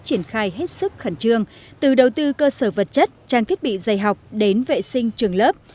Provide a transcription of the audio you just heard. triển khai hết sức khẩn trương từ đầu tư cơ sở vật chất trang thiết bị dạy học đến vệ sinh trường lớp